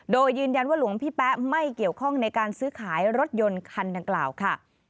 โดยยืนยันว่าหลวงพี่แป๊ะไม่เกี่ยวข้องในการซื้อขายรถยนต์คันดังกล่าวค่ะ